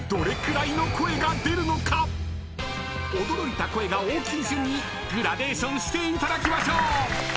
［驚いた声が大きい順にグラデーションしていただきましょう］